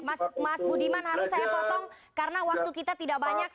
mas budiman harus saya potong karena waktu kita tidak banyak